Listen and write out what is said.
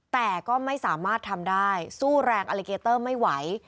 แต่ก็ไม่สามารถทำได้สู้แรงอลิเกเตอร์ไม่ไหว